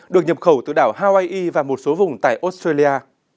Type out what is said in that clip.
được nhập khẩu từ đảo hawaii và một số vùng tại australia